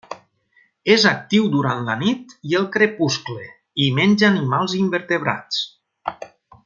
És actiu durant la nit i el crepuscle i menja animals invertebrats.